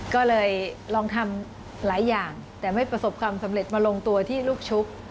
ก็เลยลองทำหลายอย่างแต่ไม่ประสบความสำเร็จมาลงตัวที่ลูกชุบ